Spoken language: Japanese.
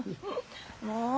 もう！